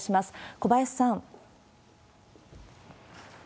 小林さん。